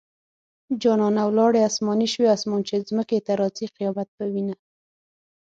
جانانه ولاړې اسماني شوې - اسمان چې ځمکې ته راځي؛ قيامت به وينه